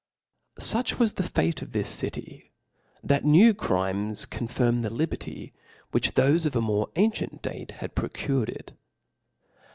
the ufc of Such was the fate of this city, that new crimes '"^'^•J^' confirmed the liberty, which thofe of a more an cient date had procured it.